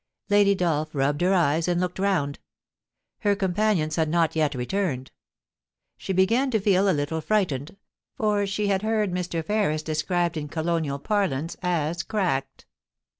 Lady Dolph rubbed her eyes, and looked round. Her companions had not yet returned. She began to feel a little frightened, for she had heard Mr. Ferris described in colonial parlance as * cracked.'